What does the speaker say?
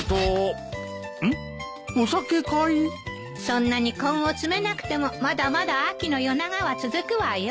そんなに根を詰めなくてもまだまだ秋の夜長は続くわよ。